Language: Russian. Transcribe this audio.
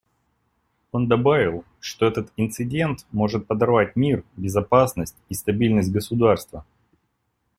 Он добавил, что этот инцидент может подорвать мир, безопасность и стабильность государства.